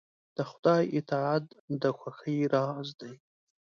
د خدای اطاعت د خوښۍ راز دی.